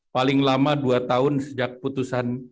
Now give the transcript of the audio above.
paling lama dua tahun sejak putusan